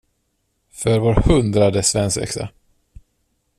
För vår hundrade svensexa!